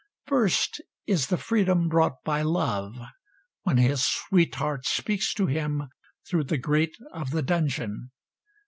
First is the freedom brought by love, when his sweetheart speaks to him through the grate of the dungeon.